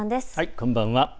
こんばんは。